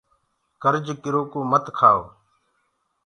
ڪرج ڪرو ڪو مت کآئو